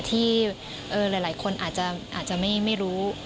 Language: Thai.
ที่หลายคนอาจจะไม่รู้